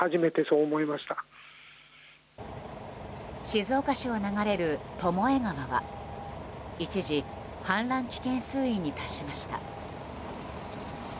静岡市を流れる巴川は一時、氾濫危険水位に達しました。